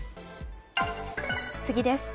次です。